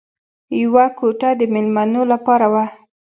یوه کوټه د مېلمنو لپاره وه